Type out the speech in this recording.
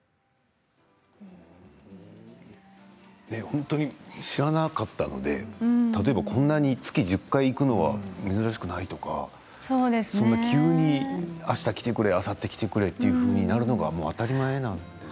本当に知らなかったので例えば、こんなに月に１０回行くのは珍しくないとかそんな急にあした来てくれあさって来てくれというふうになるのが当たり前なんですね。